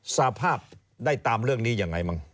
สภาพได้ตามเรื่องนี้ยังไงบ้าง